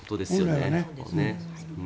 本来はね。